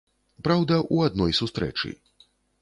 Праўда, у адной сустрэчы.